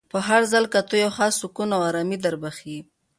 په هر ځل کتو یو خاص سکون او ارامي در بخښي.